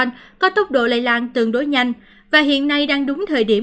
biến thể omicron có tốc độ lây lan tương đối nhanh và hiện nay đang đúng thời điểm